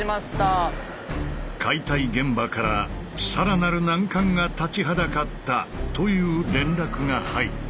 解体現場から更なる難関が立ちはだかったという連絡が入った。